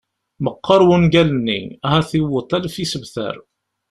Meqqer wungal-nni, ahat yewweḍ alef isebtar.